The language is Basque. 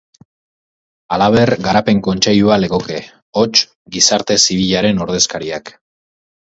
Halaber, Garapen Kontseilua legoke, hots, gizarte zibilaren ordezkariak.